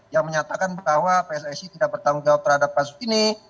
yang menyatakan bahwa pssi tidak bertanggung jawab terhadap kasus ini